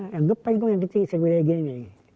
yang gepeng kan yang kecil segulai geng